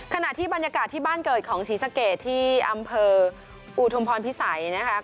ขณะที่บรรยากาศที่บ้านเกิดของศรีสะเกดที่อำเภออุทมพรพิสัยนะคะ